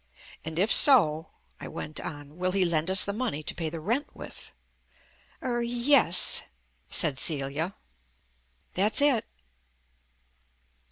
"And, if so," I went on, "will he lend us the money to pay the rent with?" "Er yes," said Celia. "That's it."